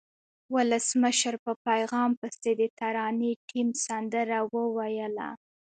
ولسمشر په پیغام پسې د ترانې ټیم سندره وویله.